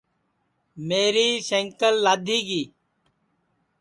میری سینٚکل لادھی گی